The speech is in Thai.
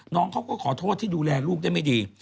น้องเขาก็ขอโทษที่ดูแลลูกได้ไม่ดี